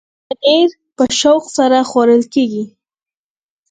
پنېر په شوق سره خوړل کېږي.